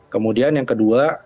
kemudian yang kedua